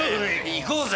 行こうぜ。